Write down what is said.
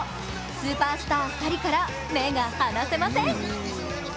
スーパースター２人から目が離せません。